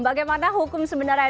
bagaimana hukum sebenarnya